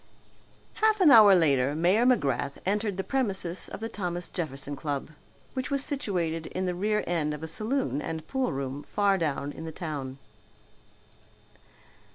Half an hour later Mayor McGrath entered the premises of the Thomas Jefferson Club, which was situated in the rear end of a saloon and pool room far down in the town.